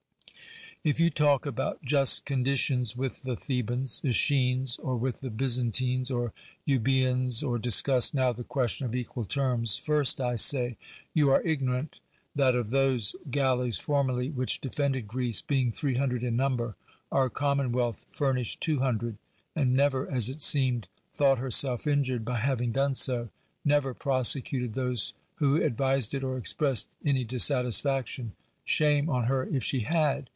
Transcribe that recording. If you talk about just conditions with the The bans, ^Eschines, or with the B^yzantines or Euboe ans, or discuss now the question of equal terms, first I say— you are ignorant that of those gal leys formerly which defended Greece, being three hundred in number, our commonwealth fur nished two hundred, and never (as it seemed) thought herself injured by having done so, never prosecuted those who advised it or expressed any dissatisfaction — shame on her if she had